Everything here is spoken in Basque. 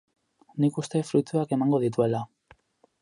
Nik uste fruituak emango dituela.